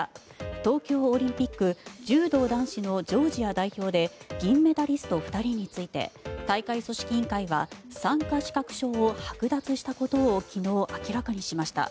東京オリンピック柔道男子のジョージア代表で銀メダリスト２人について大会組織委員会は参加資格証をはく奪したことを昨日、明らかにしました。